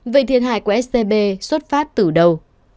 vậy thiệt hại của scb xuất phát từ đâu